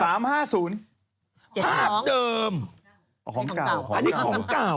แห่งภาพเดิมอันนี้ของเก่า